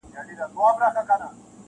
عبدالباري جهاني: د مولوي له مثنوي څخه-